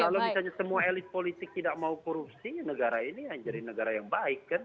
kalau misalnya semua elit politik tidak mau korupsi negara ini yang jadi negara yang baik kan